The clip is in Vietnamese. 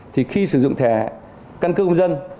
thì khi sử dụng thẻ căn cước công dân